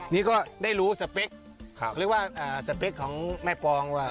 นี่ก็ได้รู้สเปคเขาเรียกว่าสเปคของแม่ปองว่า